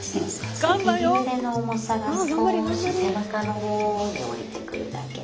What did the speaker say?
右腕の重さが少し背中の方におりてくるだけ。